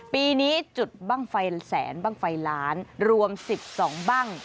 ปีนี้จุดบ้างไฟแสนบ้างไฟล้านรวม๑๒บ้าง